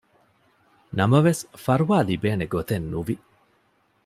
ނަމަވެސް ފަރުވާ ލިބޭނެ ގޮތެއް ނުވި